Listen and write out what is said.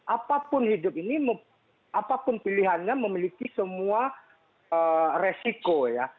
apapun hidup ini apapun pilihannya memiliki semua resiko ya